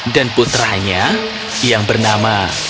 dan putranya yang bernama